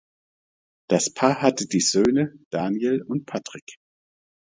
Das Paar hatte die Söhne Daniel und Patrick.